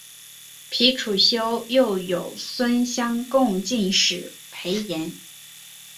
裴处休又有孙乡贡进士裴岩。